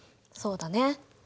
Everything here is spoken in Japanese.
そうだね。